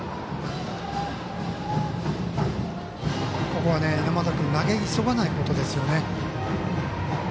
ここは猪俣君投げ急がないことですよね。